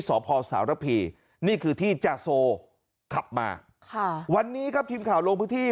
สพสารพีนี่คือที่จาโซขับมาค่ะวันนี้ครับทีมข่าวลงพื้นที่